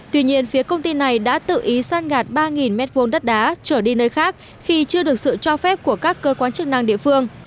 tuy nhiên phía công ty này đã tự ý săn gạt ba m hai đất đá trở đi nơi khác khi chưa được sự cho phép của các cơ quan chức năng địa phương